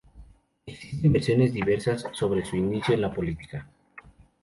Existen versiones diversas sobre su inicio en la política.